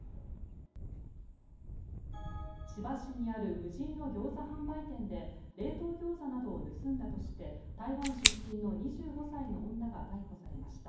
千葉市にある無人のギョーザ販売店で冷凍ギョーザなどを盗んだとして台湾出身の２５歳の女が逮捕されました。